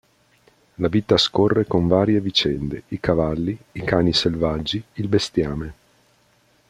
La vita scorre con varie vicende: i cavalli, i cani selvaggi, il bestiame.